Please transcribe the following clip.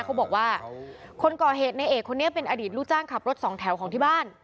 เขาบอกว่าคนก่อเหตุในเอกคนนี้เป็นอดีตลูกจ้างขับรถสองแถวของที่บ้าน